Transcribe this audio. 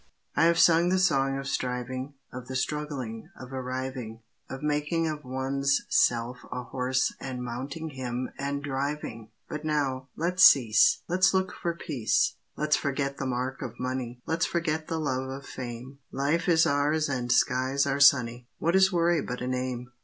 I have sung the song of striving, Of the struggling, of arriving, Of making of one's self a horse and mounting him and driving! But now, let's cease; Let's look for peace. Let's forget the mark of money, Let's forget the love of fame. Life is ours and skies are sunny; What is worry but a name?